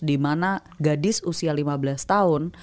dimana gadis usia lima belas tahun